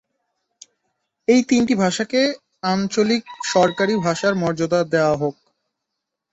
এই তিনটি ভাষাকে আঞ্চলিক সরকারি ভাষার মর্যাদা দেওয়া হয়েছে।